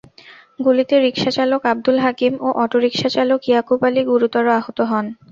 গুলিতে রিকশাচালক আবদুল হাকিম ও অটোরিকশাচালক ইয়াকুব আলী গুরুতর আহত হন।